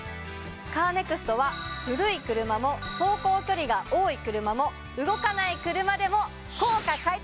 カーネクストは古い車も走行距離が多い車も動かない車でも。